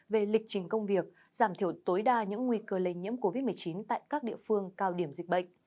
về lịch trình công việc giảm thiểu tối đa những nguy cơ lây nhiễm covid một mươi chín tại các địa phương cao điểm dịch bệnh